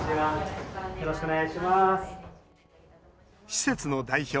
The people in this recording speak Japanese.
施設の代表